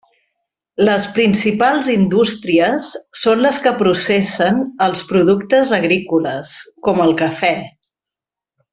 Les principals indústries són les que processen els productes agrícoles, com el cafè.